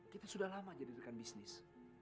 kita sudah lama jadi rekan bisnis